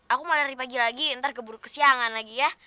aku mau lari pagi lagi ntar keburu ke siangan lagi ya